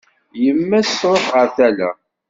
Yemma-s truḥ ɣer tala.